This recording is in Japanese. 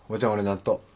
納豆？